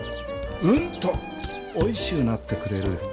うんとおいしゅうなってくれる。